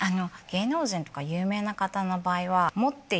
芸能人とか有名な方の場合は。